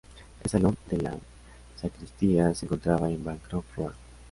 El salón de la sacristía se encontraba en Bancroft Road.